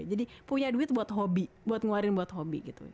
jadi punya duit buat hobi buat ngeluarin buat hobi